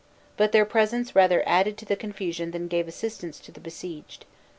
But their presence rather added to the confusion than gave assistance to the besieged.